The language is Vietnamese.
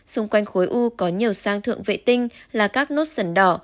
xung quanh khối u có nhiều sang thượng vệ tinh là các nốt sẩn đỏ